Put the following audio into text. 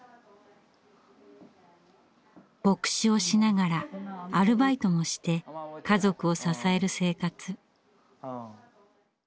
牧師をしながらアルバイトもして家族を支える生活。